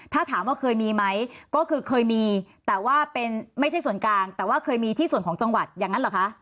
ถ้าถามว่าเคยมีไหมก็คือเคยมีแต่ว่าเป็นไม่ใช่ส่วนกลางแต่ว่าเคยมีที่ส่วนของจังหวัดอย่างนั้นเหรอคะ